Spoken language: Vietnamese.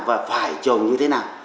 và phải trồng như thế nào